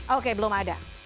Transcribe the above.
oke belum ada